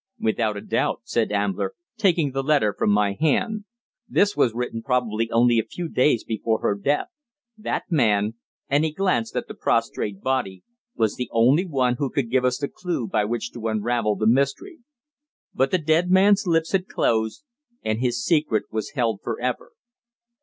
"Without a doubt," said Ambler, taking the letter from my hand. "This was written probably only a few days before her death. That man," and he glanced at the prostrate body, "was the only one who could give us the clue by which to unravel the mystery." But the dead man's lips had closed, and his secret was held for ever.